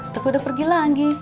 tapi udah pergi lagi